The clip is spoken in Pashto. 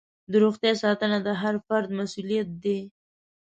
د روغتیا ساتنه د هر فرد مسؤلیت دی.